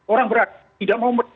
orang beragama tidak mau